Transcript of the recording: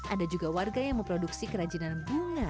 ada juga warga yang memproduksi kerajinan bunga